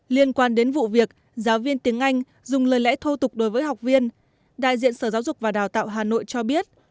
liên quan đến vụ việc giáo viên tiếng anh dùng lời lẽ thô tục đối với học viên đại diện sở giáo dục và đào tạo hà nội cho biết